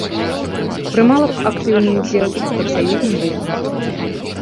Прымала актыўны ўдзел у прафсаюзным руху.